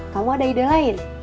kamu ada ide lain